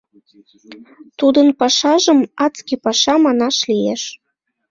Тудын пашажым адский паша манаш лиеш.